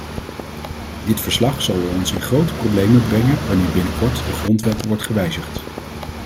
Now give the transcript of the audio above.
Dit verslag zal ons in grote problemen brengen wanneer binnenkort de grondwet wordt gewijzigd.